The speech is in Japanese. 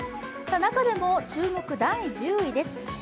中でも注目、第１０位です。